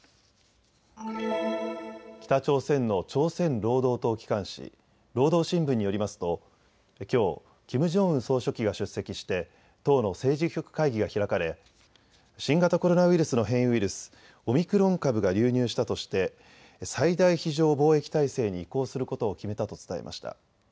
北朝鮮の朝鮮労働党機関紙労働新聞によりますと、きょうキム・ジョンウン総書記が出席して党の政治局会議が開かれ、新型コロナウイルスの変異ウイルス、オミクロン株が流入したとして最大非常防疫態勢に移行することを決めたと伝えました。